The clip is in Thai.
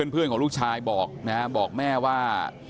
เพื่อนของลูกชายบอกนะฮะบอกแม่ว่า